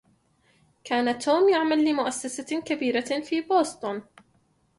كان توم يعمل لمؤسسة كبيرة في بوسطن.